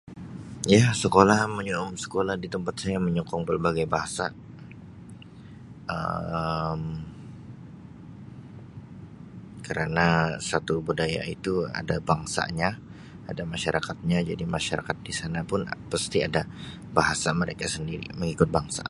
Ya sekolah menyo-sekolah di tempat saya menyokong pelbagai bahasa Um kerana satu budaya itu ada bangsanya, ada masyarakatnya, jadi masyarakat di sana pun pasti ada bahasa mereka sendiri mengikut bangsa.